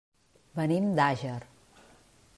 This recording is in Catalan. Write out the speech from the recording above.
Venim d'Àger.